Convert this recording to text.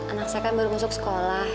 anak saya kan baru masuk sekolah